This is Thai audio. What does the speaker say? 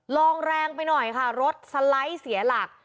ลองแรงไปหน่อยค่ะรถสไลด์เสียหลัก